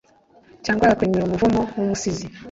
cyangwa yakwemera umuvumo wumusizi